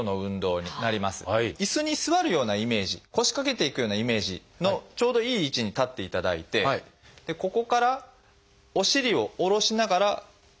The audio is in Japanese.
椅子に座るようなイメージ腰掛けていくようなイメージのちょうどいい位置に立っていただいてでここからお尻を下ろしながら腕を上げていく。